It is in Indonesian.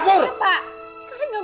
kan gak mungkin buta ilmu juga kan pak